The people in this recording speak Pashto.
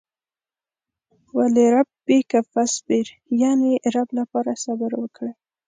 ولربک فاصبر يانې رب لپاره صبر وکړه.